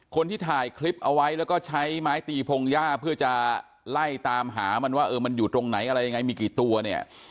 คนที่ถ่ายคลิปเอาไว้แล้วก็ใช้ไม้ตีพงหญ้าเพื่อจะไล่ตามหามันว่าเออมันอยู่ตรงไหนอะไรยังไงมีกี่ตัวเนี่ย